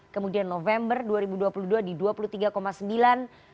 kemudian november dua ribu dua puluh dua di dua puluh tiga sembilan persen